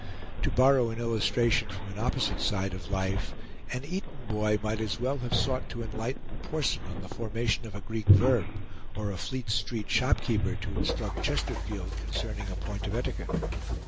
To borrow an illustration from an opposite side of life, an Eton boy might as well have sought to enlighten Porson on the formation of a Greek verb, or a Fleet Street shopkeeper to instruct Chesterfield concerning a point of etiquette.